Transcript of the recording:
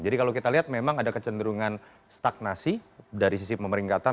jadi kalau kita lihat memang ada kecenderungan stagnasi dari sisi pemeringkatan